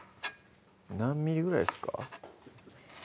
何ｍｍぐらいですか？